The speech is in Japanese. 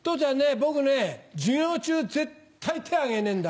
僕ね授業中絶対手上げねえんだ。